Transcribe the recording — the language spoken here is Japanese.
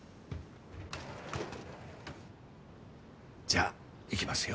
じゃあいきますよ。